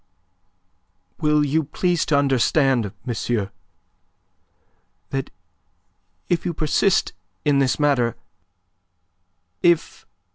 Will you please to understand, monsieur, that if you persist in this matter, if...